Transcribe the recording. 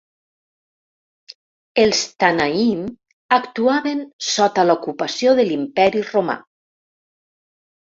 Els "Tannaim" actuaven sota l'ocupació de l'Imperi Romà.